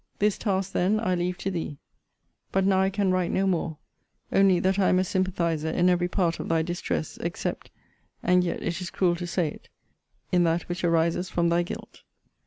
This task, then, I leave to thee: but now I can write no more, only that I am a sympathizer in every part of thy distress, except (and yet it is cruel to say it) in that which arises from thy guilt.